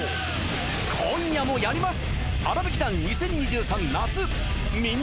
今夜もやります！